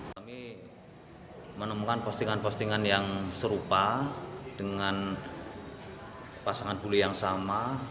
kami menemukan postingan postingan yang serupa dengan pasangan bule yang sama